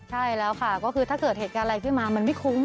ใช่แล้วค่ะก็คือถ้าเกิดเหตุการณ์อะไรขึ้นมามันไม่คุ้ม